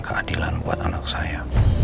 keadilan buat anak saya